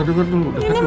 dengar dulu dengar dulu